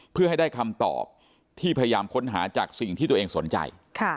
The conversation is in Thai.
เพื่อให้ได้คำตอบที่พยายามค้นหาจากสิ่งที่ตัวเองสนใจ